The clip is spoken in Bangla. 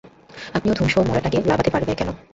আপনি ও ধুমসো মড়াটাকে লাবাতে পারবে কেন?